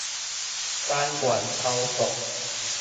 單元操作